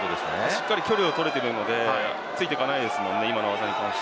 しっかり距離は取れているのでついていっていません。